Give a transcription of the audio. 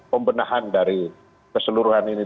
pembenahan dari keseluruhan ini